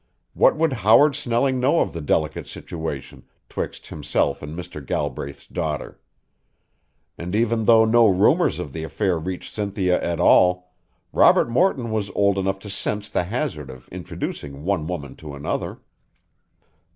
What would Howard Snelling know of the delicate situation 'twixt himself and Mr. Galbraith's daughter? And even though no rumors of the affair reached Cynthia at all, Robert Morton was old enough to sense the hazard of introducing one woman to another.